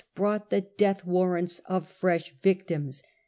brought the death warrants of fresh victims.